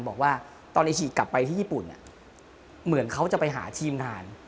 บอกว่าตอนในฉีกกลับไปที่ญี่ปุ่นเหมือนเขาจะไปหาทีมงาน